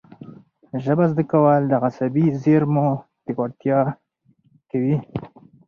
ژبه زده کول د عصبي زېرمو پیاوړتیا کوي.